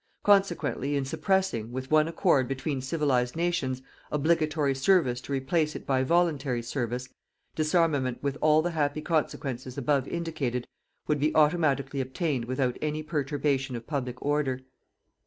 Consequently in suppressing, with one accord between civilized nations, obligatory service to replace it by voluntary service, disarmament with all the happy consequences above indicated would be automatically obtained without any perturbation of public order."